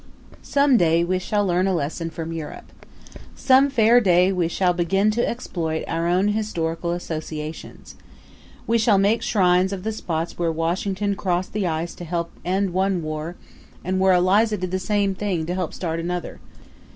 Some day we shall learn a lesson from Europe. Some fair day we shall begin to exploit our own historical associations. We shall make shrines of the spots where Washington crossed the ice to help end one war and where Eliza did the same thing to help start another.